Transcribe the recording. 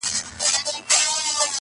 خاموسي لا هم قوي ده تل,